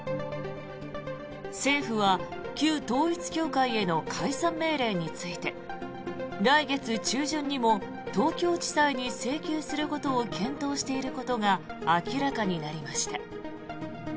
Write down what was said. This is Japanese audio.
政府は旧統一教会への解散命令について来月中旬にも東京地裁に請求することを検討していることが明らかになりました。